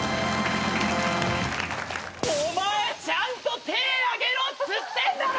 お前ちゃんと手ぇ上げろっつってんだろ！